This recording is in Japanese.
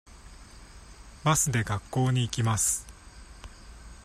バスで学校に行きます。